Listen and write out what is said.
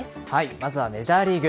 まずはメジャーリーグ。